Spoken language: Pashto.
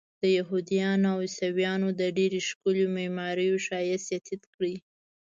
د یهودانو او عیسویانو د ډېرو ښکلیو معماریو ښایست یې تت کړی.